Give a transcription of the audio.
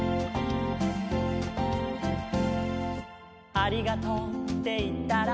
「ありがとうっていったら」